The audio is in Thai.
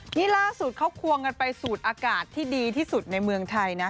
นี่ล่าสุดเขาควงกันไปสูดอากาศที่ดีที่สุดในเมืองไทยนะ